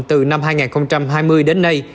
từ năm hai nghìn hai mươi đến nay